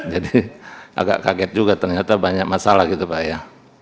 jadi agak kaget juga ternyata banyak masalah gitu pak ya